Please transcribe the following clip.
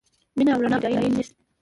مینه او رڼا پټېدای نه شي.